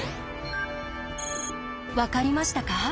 分かりましたか？